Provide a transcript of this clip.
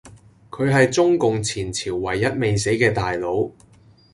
佢係中共前朝唯一未死既大佬